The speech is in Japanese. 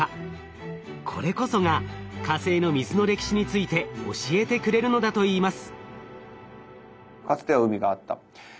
これこそが火星の水の歴史について教えてくれるのだといいます。